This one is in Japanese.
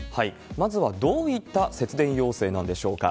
まずはどういった節電要請なんでしょうか。